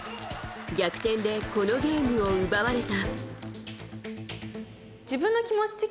逆転でこのゲームを奪われた。